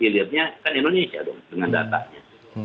dilihatnya kan indonesia dong dengan datanya